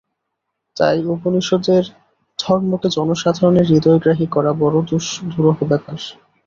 তাই উপনিষদের ধর্মকে জনসাধারণের হৃদয়গ্রাহী করা বড় দুরূহ ব্যাপার।